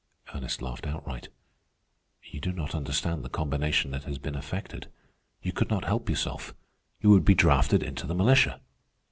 Ernest laughed outright. "You do not understand the combination that has been effected. You could not help yourself. You would be drafted into the militia."